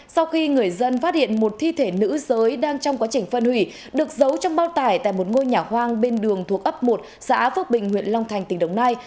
sau khi người dân phát hiện một thi thể nữ giới đang trong quá trình phân hủy được giấu trong bao tải tại một ngôi nhà hoang bên đường thuộc ấp một xã phước bình huyện long thành tỉnh đồng nai